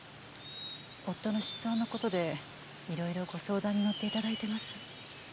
夫の失踪の事でいろいろご相談に乗って頂いてます。